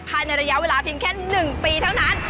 ภายในระยะเวลาเพียงแค่๑ปีเท่านั้น